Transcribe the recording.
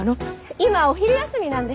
今お昼休みなんで。